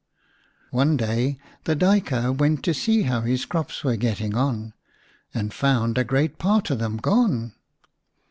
One day the Duyker went to see how his crops were getting on, and found a great part of them gone.